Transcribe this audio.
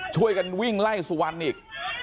ช่วยกันวิ่งไล่สุวรรณอีก